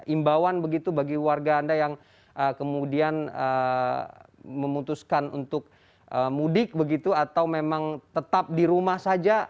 imbauan begitu bagi warga anda yang kemudian memutuskan untuk mudik begitu atau memang tetap di rumah saja